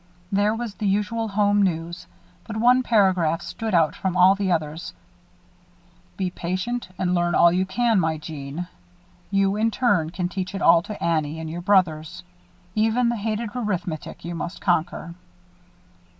There was the usual home news; but one paragraph stood out from all the others: "Be patient and learn all you can, my Jeanne. You, in turn, can teach it all to Annie and your brothers. Even the hated arithmetic you must conquer."